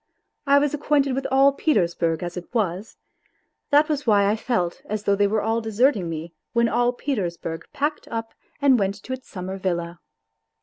I was acquainted with all Peters burg as it was ; that was why I felt as though they were all deserting me when all Petersburg packed up and went to its summer villa.